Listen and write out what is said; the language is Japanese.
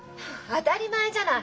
当たり前じゃない！